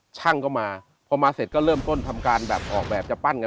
ช่างก็มาพอมาเสร็จก็เริ่มต้นทำการแบบออกแบบจะปั้นกัน